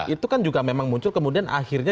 itu kan juga memang muncul kemudian akhirnya